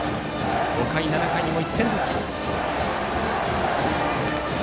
５回、７回にも１点ずつ。